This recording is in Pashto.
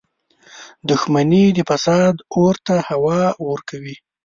• دښمني د فساد اور ته هوا ورکوي.